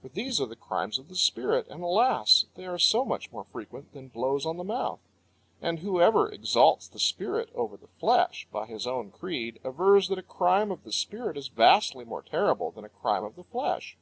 For these are the crimes of the spirit, and, alas! they are so much more frequent than blows on the mouth. And whosoever exalts the spirit over the flesh, by his own creed avers that a crime of the spirit is vastly more terrible than a crime of the flesh.